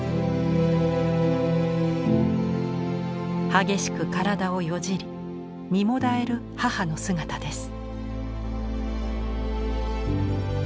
激しく体をよじり身もだえる母の姿です。